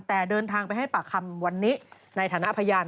แต่เดินทางไปให้ปากคำวันนี้ในฐานะพยาน